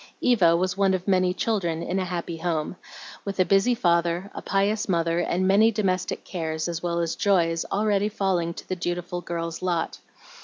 Eva was one of many children in a happy home, with a busy father, a pious mother, and many domestic cares, as well as joys, already falling to the dutiful girl's lot.